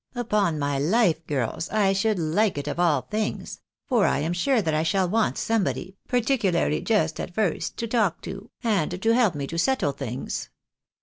" Upon my life, girls, I should like it of all things ; for I am sure that I shall want somebody, particularly just at first, to talk to, and to help me to settle thing s.